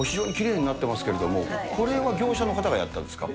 はー、非常にきれいになっていますけれども、これは業者の方がやったんですか。